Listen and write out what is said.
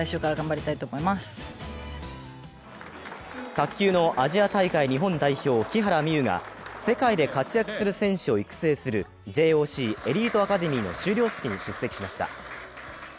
卓球のアジア大会日本代表、木原美悠が世界で活躍する選手を育成するＪＯＣエリートアカデミーの修了式に出席しました。